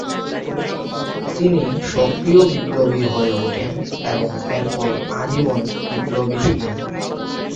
তিনি সক্রিয় বিপ্লবী হয়ে ওঠেন এবং এরপর আজীবন বিপ্লবী ছিলেন।